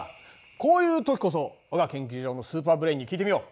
こういうときこそわが研究所のスーパーブレーンに聞いてみよう。